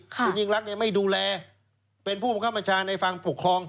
คุณยิ่งรักเนี่ยไม่ดูแลเป็นผู้ประมาชาในฝั่งปกครอง